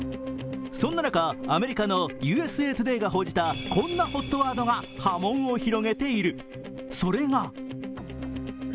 そんな中、アメリカの「ＵＳＡＴＯＤＡＹ」が報じたこんなＨＯＴワードが波紋を広げている。